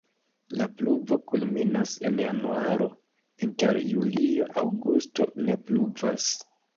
La pluvo kulminas en januaro, inter julio-aŭgusto ne pluvas.